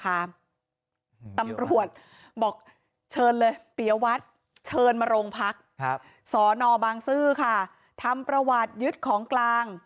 ตำรวจบอกเชิญเลยปียวัตรเชิญมาโรงพักครับสอนอบางซื่อค่ะทำประวัติยึดของกลาง